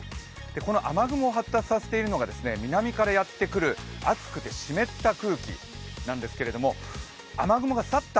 この雨雲を発達させているのが南からやってくる暑くて湿った空気なんですけれども、雨雲が去った